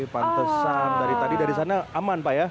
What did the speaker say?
pantesan dari tadi dari sana aman pak ya